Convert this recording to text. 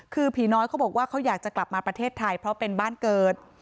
คือผีน้อยเขาบอกว่าเขาอยากจะกลับมาประเทศไทยเพราะเป็นบ้านเกิด